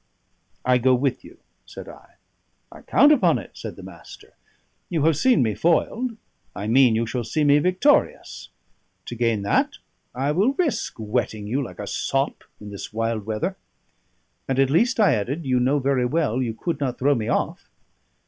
"I go with you," said I. "I count upon it," said the Master. "You have seen me foiled; I mean you shall see me victorious. To gain that I will risk wetting you like a sop in this wild weather." "And at least," I added, "you know very well you could not throw me off."